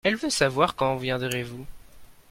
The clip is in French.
Elle veut savoir quand viendrez-vous.